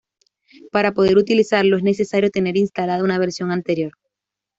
Para poder utilizarlo es necesario tener instalada una versión anterior.